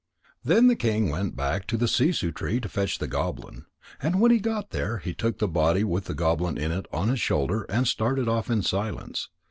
_ Then the king went back to the sissoo tree to fetch the goblin. When he got there, he took the body with the goblin in it on his shoulder, and started off in silence.